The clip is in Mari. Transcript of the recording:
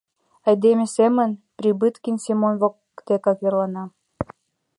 Айдеме семын, — Прибыткин Семон воктек верлана.